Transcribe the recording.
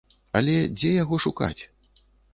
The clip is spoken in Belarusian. Але, дзе яго шукаць?